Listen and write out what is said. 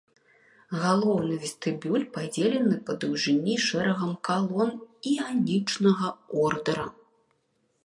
Галоўны вестыбюль падзелены па даўжыні шэрагам калон іанічнага ордара.